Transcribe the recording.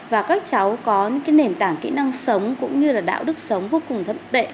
và các cháu có những nền tảng kỹ năng sống cũng như là đạo đức sống vô cùng thậm tệ